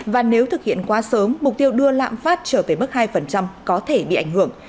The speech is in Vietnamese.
và nếu thực hiện quá sớm mục tiêu đưa lạm phát trở về mức hai có thể bị ảnh hưởng